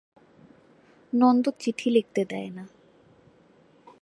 নন্দ চিঠি লিখতে দেয় না।